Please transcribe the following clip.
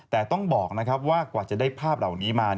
แต่ต้องบอกว่ากว่าจะได้ภาพเหล่านี้มา